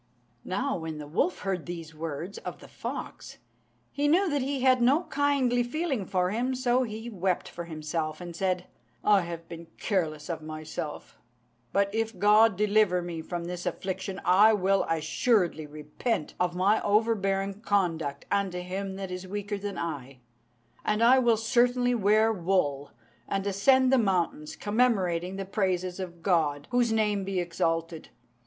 Now when the wolf heard these words of the fox, he knew that he had no kindly feeling for him; so he wept for himself, and said, "I have been careless of myself; but if God deliver me from this affliction, I will assuredly repent of my overbearing conduct unto him that is weaker than I; and I will certainly wear wool, and ascend the mountains, commemorating the praises of God (whose name be exalted!)